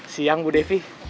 siang bu devi